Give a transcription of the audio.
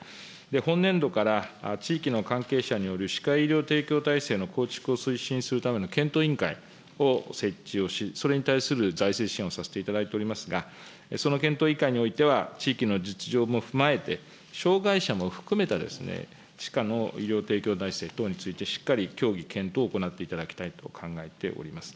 本年度から、地域の関係者による歯科医療提供体制の構築を推進するための検討委員会を設置をし、それに対する財政支援をさせていただいておりますが、その検討委員会においては、地域の実情も踏まえて、障害者も含めた歯科の医療提供体制等についてしっかり協議検討を行っていただきたいと考えております。